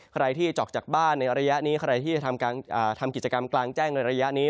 ใครที่ออกจากบ้านในระยะนี้ใครที่จะทำกิจกรรมกลางแจ้งในระยะนี้